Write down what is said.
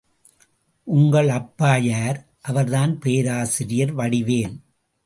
உங்கள் அப்பா யார்? அவர் தான் பேராசிரியர் வடிவேல்.